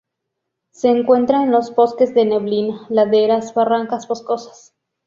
Se encuentra en los bosques de neblina, laderas, barrancas boscosas.